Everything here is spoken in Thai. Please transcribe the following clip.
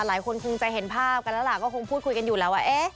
หลายคนคงจะเห็นภาพกันแล้วล่ะก็คงพูดคุยกันอยู่แล้วว่า